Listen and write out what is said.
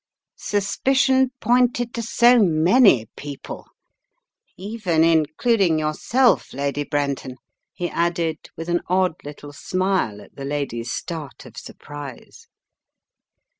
•• "Suspicion pointed to so many people — even including yourself, Lady Brenton," he added with an odd little smile at the lady's start of surprise.